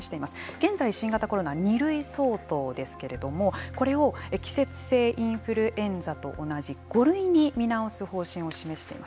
現在、新型コロナ２類相当ですけれどもこれを季節性インフルエンザと同じ５類に見直す方針を示しています。